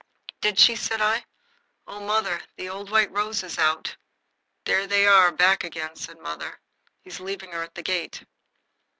"Did she?" said I. "Oh, mother, the old white rose is out!" "There they are, back again," said mother. "He's leaving her at the gate."